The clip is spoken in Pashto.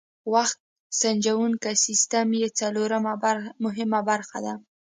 وخت سنجوونکی سیسټم یې څلورمه مهمه برخه ده.